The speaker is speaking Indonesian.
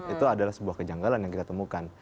itu adalah sebuah kejanggalan yang kita temukan